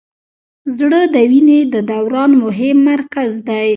زړه د وینې د دوران مهم مرکز دی.